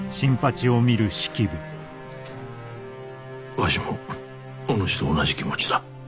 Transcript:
わしもお主と同じ気持ちだ。